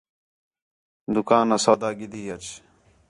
دُُکانا سودا گِھدی اچ